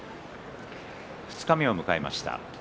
二日目を迎えました。